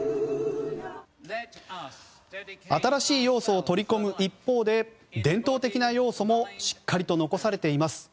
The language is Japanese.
新しい要素を取り込む一方で伝統的な要素もしっかりと残されています。